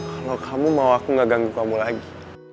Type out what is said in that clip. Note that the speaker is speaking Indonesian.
kalau kamu mau aku gak ganggu kamu lagi